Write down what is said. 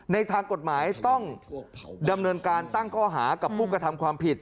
ในทางกฎหมายต้องดำเนินการตั้งข้อหากับผู้กระทำความผิด